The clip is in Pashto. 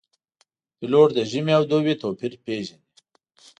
پیلوټ د ژمي او دوبي توپیر پېژني.